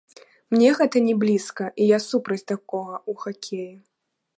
Мне гэта не блізка, і я супраць такога ў хакеі.